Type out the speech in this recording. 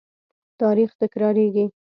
تاریخ تکرارېږي.